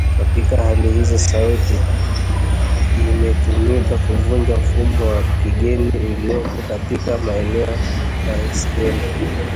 Katika hali hizi sauti /i/imetumika kuvunja mfumo wa kigeni ulioko katika maneno baiskeli